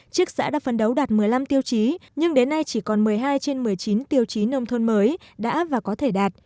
trước xã đã phấn đấu đạt một mươi năm tiêu chí nhưng đến nay chỉ còn một mươi hai trên một mươi chín tiêu chí nông thôn mới đã và có thể đạt